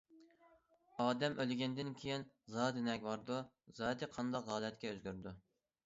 ئادەم ئۆلگەندىن كېيىن زادى نەگە بارىدۇ، زادى قانداق ھالەتكە ئۆزگىرىدۇ!